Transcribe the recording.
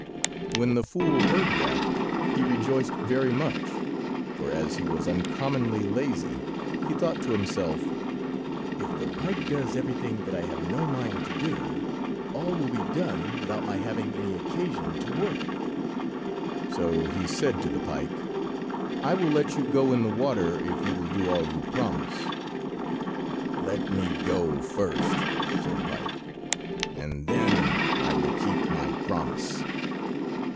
When the fool heard that he rejoiced very much, for, as he was uncommonly lazy, he thought to himself— "If the pike does everything that I have no mind to do, all will be done without my having any occasion to work." So he said to the pike— "I will let you go in the water if you will do all you promise." "Let me go first," said the pike, "and then I will keep my promise."